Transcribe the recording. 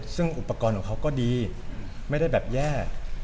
ซึ่งอุปกรณ์ของเขาก็ดีไม่ได้แบบแย่